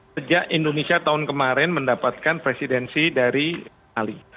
sejak indonesia tahun kemarin mendapatkan presidensi dari itali